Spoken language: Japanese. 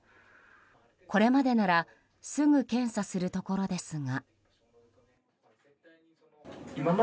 これまでならすぐ検査するところですが。